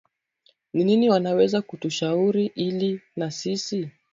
ni nini wanaweza kutushauria ili na sisi